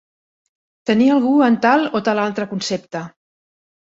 Tenir algú en tal o tal altre concepte.